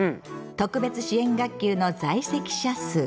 特別支援学級の在籍者数。